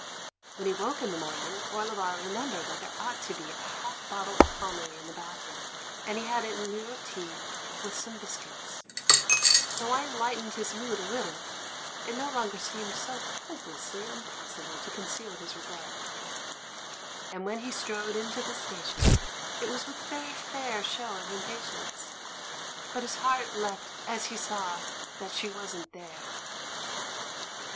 When he woke in the morning, Orlebar re membered that there ought to be a half bottle of Pommery in the bathroom, and he had it in lieu of tea, with some biscuits. The wine lightened his mood a little ; it no longer seemed so hopeless ly impossible to conceal his regret; and when he strode into the station, it was with a very fair show of impatience. But his heart leapt as he saw that she wasn't there.